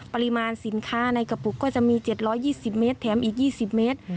ปริมาณสินค้าในกระปุกก็จะมี๗๒๐เมตรแถมอีก๒๐เมตร